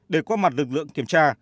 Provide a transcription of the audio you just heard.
để qua mặt lực lượng kiểm tra